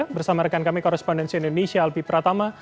bersama rekan kami korespondensi indonesia albi pratama